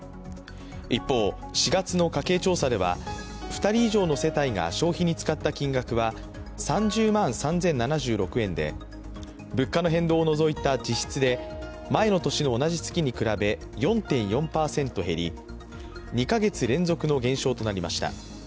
一方、４月の家計調査では、２人以上の世帯が消費に使った金額は３０万３０７６円で、物価の変動をのぞいた実質で前の年の同じ月に比べ４．４％減り２か月連続の減少となりました。